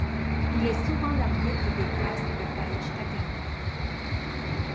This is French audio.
Il est souvent l'arbitre des places de pêches à Terre-Neuve.